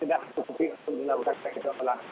tidak cukupi untuk dilakukan kecamatan